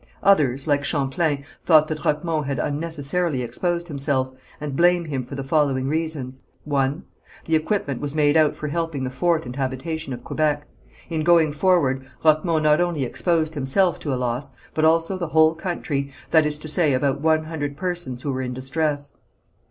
Others, like Champlain, thought that Roquemont had unnecessarily exposed himself, and blame him for the following reasons: (1.) The equipment was made out for helping the fort and habitation of Quebec. In going forward Roquemont not only exposed himself to a loss, but also the whole country, that is to say about one hundred persons who were in distress.